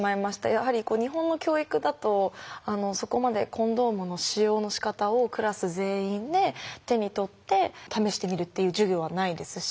やはり日本の教育だとそこまでコンドームの使用のしかたをクラス全員で手に取って試してみるっていう授業はないですし。